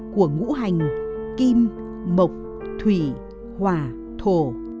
của ngũ hành kim mộc thủy hòa thổ